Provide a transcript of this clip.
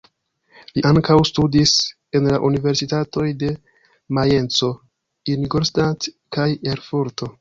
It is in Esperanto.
Li ankaŭ studis en la Universitatoj de Majenco, Ingolstadt kaj Erfurto.